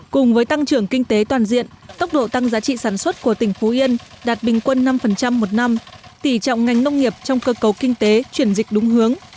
cùng với tăng trưởng kinh tế toàn diện tốc độ tăng giá trị sản xuất của tỉnh phú yên đạt bình quân năm một năm tỷ trọng ngành nông nghiệp trong cơ cấu kinh tế chuyển dịch đúng hướng